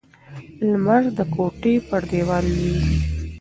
لمر د کوټې پر دیوال لوېږي.